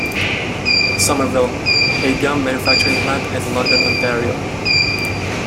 Somerville, a gum manufacturing plant in London, Ontario.